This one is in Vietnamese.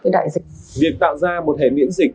đại dịch việc tạo ra một hệ miễn dịch